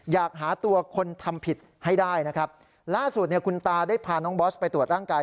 อยากหาตัวคนทำผิดให้ได้นะครับล่าสุดเนี่ยคุณตาได้พาน้องบอสไปตรวจร่างกาย